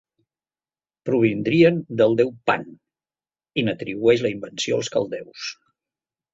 Provindrien del déu Pan!— i n'atribueix la invenció als caldeus.